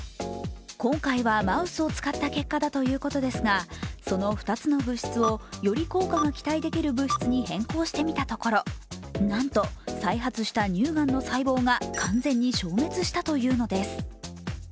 今回はマウスを使った結果だということですがその２つの物質をより効果が期待できる物質に変更してみたところなんと、再発した乳がんの細胞が完全に消滅したというのです。